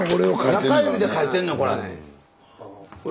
中指で描いてんねんこれ。